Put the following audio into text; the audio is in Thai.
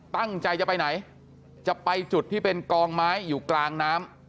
ตั้งใจจะไปไหนจะไปจุดที่เป็นกองไม้อยู่กลางน้ำ